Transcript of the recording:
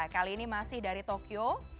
kali ini masih dari tokyo